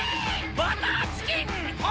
バターチキン炎